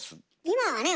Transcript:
今はね